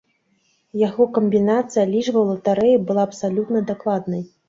Яго камбінацыя лічбаў латарэі была абсалютна дакладнай.